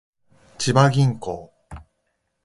千葉銀行